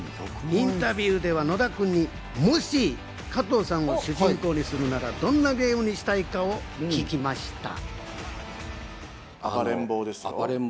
インタビューでは野田君にもし加藤さんを主人公にするなら、どんなゲームにしたいかを聞きました。